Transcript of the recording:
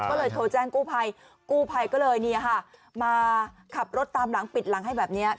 ก็เลยโทรแจ้งกู้ภัยกู้ภัยก็เลยเนี่ยค่ะมาขับรถตามหลังปิดหลังให้แบบเนี้ย